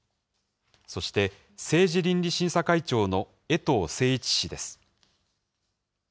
そして、政治倫理審査会長の衛藤晟一氏です。